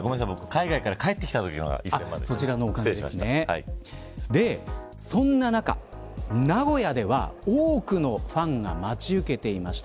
海外から帰ってきたときはそんな中、名古屋では多くのファンが待ち受けていました。